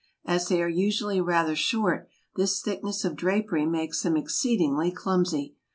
As they are usually rather short, this thickness of drapery makes them exceedingly clumsy.